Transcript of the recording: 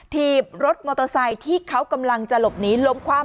ถีบรถมอเตอร์ไซค์ที่เขากำลังจะหลบหนีล้มความ